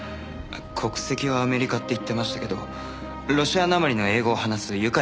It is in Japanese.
国籍はアメリカって言ってましたけどロシアなまりの英語を話す愉快なおじさんで。